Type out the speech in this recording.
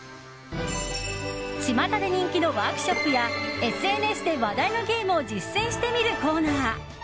ちまたで人気のワークショップやＳＮＳで話題のゲームを実践してみるコーナー